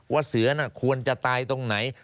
เสือน่ะควรจะตายตรงไหน